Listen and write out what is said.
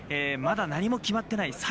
まだ何も決まってない。